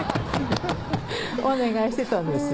お願いしてたんですよ